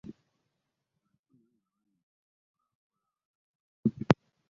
Bwe nfuna nga banyiiga kyokka nkola balaba.